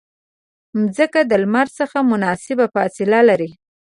مځکه د لمر څخه مناسبه فاصله لري.